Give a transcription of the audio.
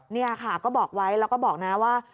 นี่ค่ะก็บอกไว้แล้วก็บอกนะว่า